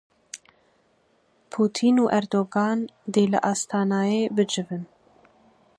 Putin û Erdogan dê li Astanayê bicivin.